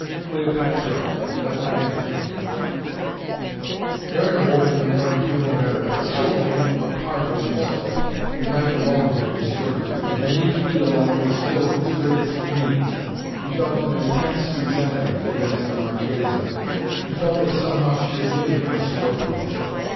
CLEOPATRA, BUT NOT ANTHONY Aaron awoke in the morning feeling better, but still only a part himself. The night alone had restored him. And the need to be alone still was his greatest need. He felt an intense resentment against the Marchesa. He felt that somehow, she had given him a scorpion.